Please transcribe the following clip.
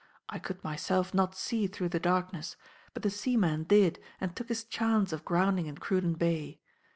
I could myself not see through the darkness; but the seaman did and took his chance of grounding in Cruden Bay.